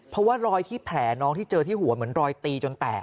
เพราะว่ารอยที่แผลน้องที่เจอที่หัวเหมือนรอยตีจนแตก